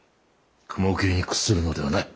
雲霧に屈するのではない！